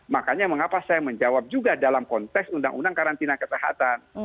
makanya mengapa saya menjawab juga dalam konteks undang undang karantina kesehatan